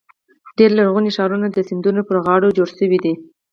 ډېری لرغوني ښارونه د سیندونو پر غاړو جوړ شوي دي.